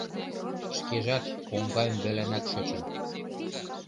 Шкежат коҥга ӱмбаланак шочын.